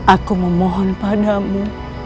aku memohon padamu